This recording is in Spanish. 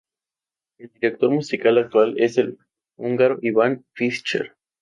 El director musical actual es el húngaro Iván Fischer.